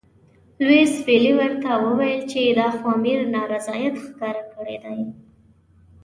لیویس پیلي ورته وویل چې دا خو امیر نارضاییت ښکاره کړی دی.